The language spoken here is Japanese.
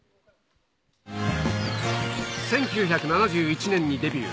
１９７１年にデビュー。